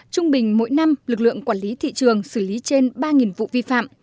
trung bình mỗi năm lực lượng quản lý thị trường xử lý trên ba vụ vi phạm